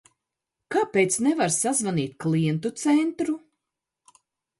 Kāpēc nevar sazvanīt klientu centru?